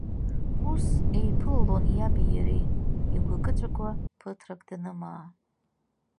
Ус еиԥылалон иаби иареи, игәыкы-ҵәкуа, ԥыҭрак данымаа…